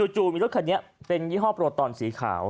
จู่มีรถคันนี้เป็นยี่ห้อโปรตอนสีขาว